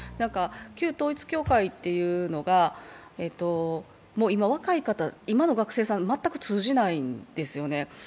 旧統一教会というのが今の学生さん、全く通じないんですよね。